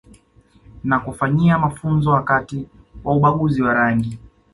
Na kufanyia mafunzo wakati wa ubaguzi wa rangi